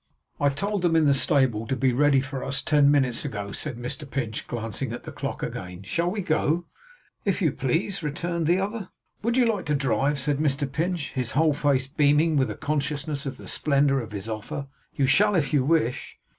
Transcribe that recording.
'I told them in the stable to be ready for us ten minutes ago,' said Mr Pinch, glancing at the clock again. 'Shall we go?' 'If you please,' returned the other. 'Would you like to drive?' said Mr Pinch; his whole face beaming with a consciousness of the splendour of his offer. 'You shall, if you wish.